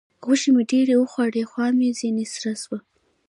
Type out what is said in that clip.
غوښې مې ډېرې وخوړلې؛ خوا مې ځينې سړه سوه.